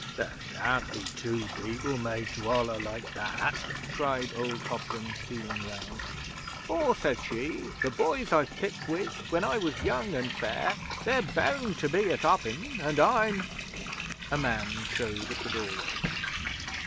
'There can't be two people made to holler like that!' cried old Hobden, wheeling round. 'For,' says she, 'The boys I've picked with when I was young and fair, They're bound to be at hoppin', and I'm ' A man showed at the doorway.